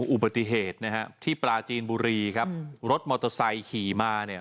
อุบัติเหตุนะฮะที่ปลาจีนบุรีครับรถมอเตอร์ไซค์ขี่มาเนี่ย